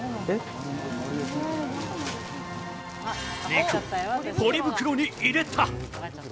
肉をポリ袋に入れた。